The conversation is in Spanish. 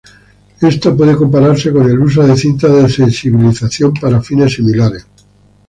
Esto puede compararse con el uso de cintas de sensibilización para fines similares.